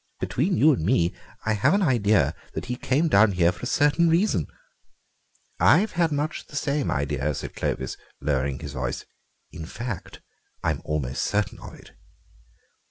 Between you and me, I have an idea that he came down here for a certain reason." "I've had much the same idea," said Clovis, lowering his voice; "in fact, I'm almost certain of it."